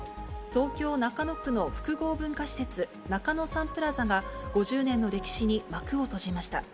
東京・中野区の複合文化施設、中野サンプラザが５０年の歴史に幕を閉じました。